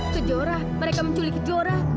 kejorah mereka menculik kejorah